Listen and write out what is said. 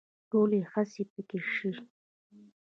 ټولې هڅې پيکه شي